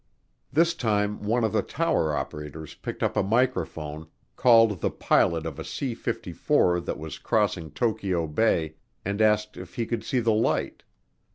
This time one of the tower operators picked up a microphone, called the pilot of a C 54 that was crossing Tokyo Bay, and asked if he could see the light.